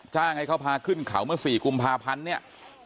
จ้างให้เขาพาขึ้นเขาเมื่อ๔กุมภาพันธ์เนี่ย